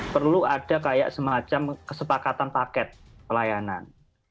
perlu ada kayak semacam kesepakatan paket pelayanan